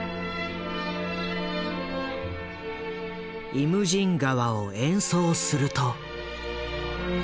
「イムジン河」を演奏すると。